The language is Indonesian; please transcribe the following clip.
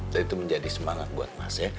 dan itu menjadi semangat buat mas ya